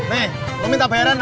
nih lu minta bayaran sama ojak